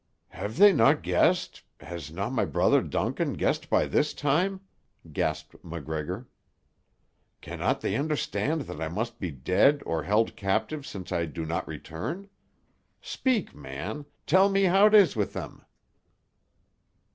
"Have they no' guessed—has no' my brother Duncan guessed by this time?" gasped MacGregor. "Can not they understand that I must be dead or held captive since I do not return? Speak, man, tell me how 'tis with them!"